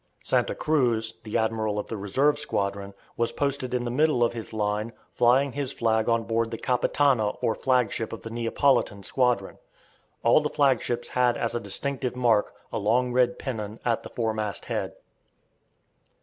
Santa Cruz, the admiral of the reserve squadron, was posted in the middle of his line, flying his flag on board the "Capitana" or flagship of the Neapolitan squadron. All the flagships had as a distinctive mark a long red pennon at the foremast head.